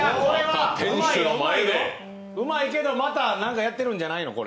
うまいけど、また何かやってるんじゃないの？